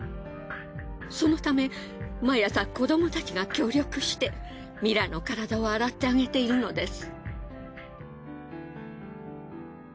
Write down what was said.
そのため毎朝子どもたちが協力してミラの体を洗ってあげているのです。